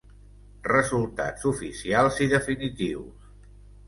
"Resultats oficials i definitius.